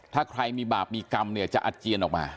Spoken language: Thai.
ถ้าใครมีบาปมีกรรมเนี่ยจะอาเจียนออกมา